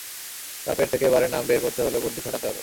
তাঁর পেট থেকে বারের নাম বের করতে হলে বুদ্ধি খাটাতে হবে।